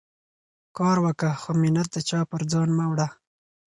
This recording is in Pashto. کار وکه، خو مینت د چا پر ځان مه وړه.